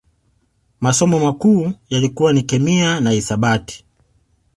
Masomo makuu yalikuwa ni Kemia na Hisabati